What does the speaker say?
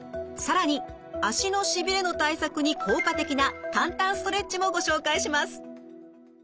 更に足のしびれの対策に効果的な簡単ストレッチもご紹介します。